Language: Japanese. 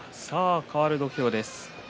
かわる土俵です。